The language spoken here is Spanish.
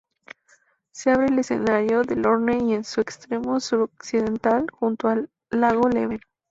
Se abre al estuario de Lorne en su extremo suroccidental, junto al lago Leven.